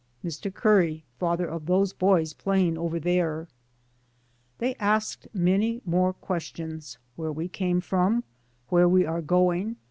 DAYS ON THE ROAD. 209 "Mr. Curry, father of those boys playing over there." They asked many more questions. Where we came from? Where we are going?